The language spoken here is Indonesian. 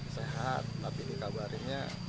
sehat tapi dikabarinnya